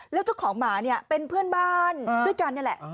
แล้วเจ้าของหมาเนี่ยเป็นเพื่อนบ้านด้วยกันนี่แหละ